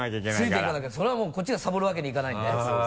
ついていかなきゃそれはもうこっちがサボるわけにいかないんで。